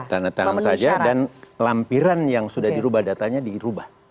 tanda tangan saja dan lampiran yang sudah dirubah datanya dirubah